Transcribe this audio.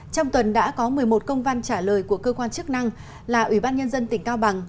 trong tuần đã có một mươi một công văn trả lời của cơ quan chức năng là ủy ban nhân dân tỉnh cao bằng